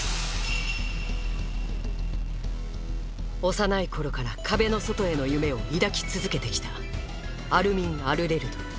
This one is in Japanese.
幼い頃から壁の外への夢を抱き続けてきたアルミン・アルレルト。